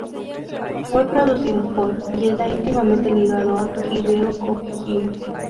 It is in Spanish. Fue producido por, y esta íntimamente ligado, a Hideo Kojima.